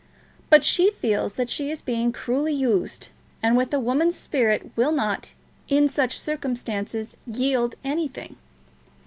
But she feels that she is being cruelly used, and with a woman's spirit will not, in such circumstances, yield anything.